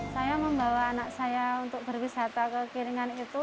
saya membawa anak saya berwisata ke keringan itu